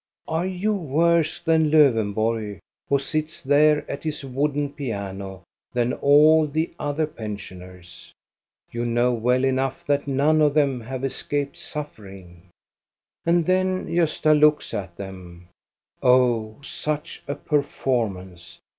Are you worse than Lowenborg, who sits there at his wooden piano, than all the other pensioners? You know well enough that none of them have escaped suffering ! And then Gosta looks at them. Oh, such a per formance